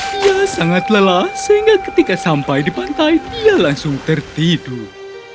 dia sangat lelah sehingga ketika sampai di pantai dia langsung tertidur